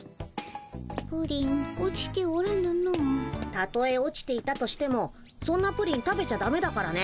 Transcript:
たとえ落ちていたとしてもそんなプリン食べちゃダメだからね。